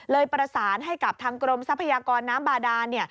ประสานให้กับทางกรมทรัพยากรน้ำบาดาน